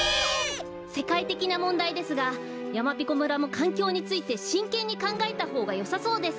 せかいてきなもんだいですがやまびこ村もかんきょうについてしんけんにかんがえたほうがよさそうです。